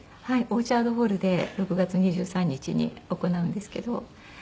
オーチャードホールで６月２３日に行うんですけど。